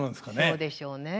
そうでしょうね。